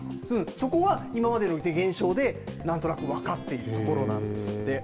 そこは今までの現象でなんとなく分かっているところなんですって。